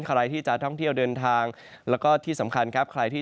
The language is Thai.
ใครที่จะท่องเที่ยวเดินทางแล้วก็ที่สำคัญครับใครที่